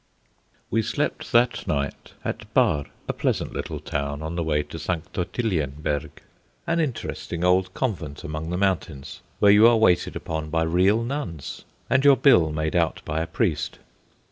We slept that night at Barr, a pleasant little town on the way to St. Ottilienberg, an interesting old convent among the mountains, where you are waited upon by real nuns, and your bill made out by a priest.